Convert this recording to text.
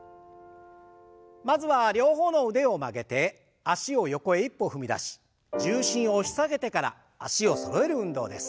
まずは両方の腕を曲げて脚を横へ一歩踏み出し重心を押し下げてから脚をそろえる運動です。